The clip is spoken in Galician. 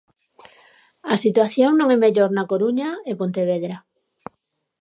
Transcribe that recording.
A situación non é mellor na Coruña e Pontevedra.